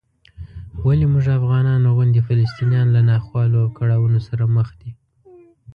ولې موږ افغانانو غوندې فلسطینیان له ناخوالو او کړاوونو سره مخ دي؟